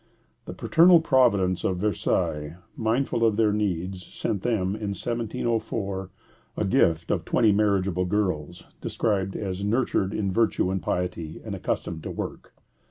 The paternal providence of Versailles, mindful of their needs, sent them, in 1704, a gift of twenty marriageable girls, described as "nurtured in virtue and piety, and accustomed to work."